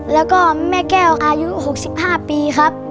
แล้วก็แม่แก้วอายุ๖๕ปีครับ